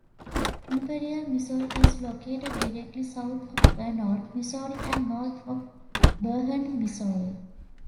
Imperial, Missouri is located directly south of Arnold, Missouri and north of Barnhart, Missouri.